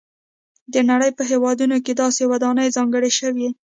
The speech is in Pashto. د نړۍ په هېوادونو کې داسې ودانۍ ځانګړې شوي.